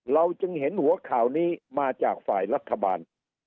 เราจึงเห็นหัวข่าวนี้มาจากฝ่ายรัฐบาล